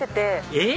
えっ？